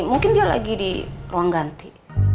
mungkin dia lagi di ruang ganti